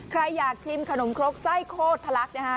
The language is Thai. ใครอยากชิมขนมครกไส้โคตรทะลักนะฮะ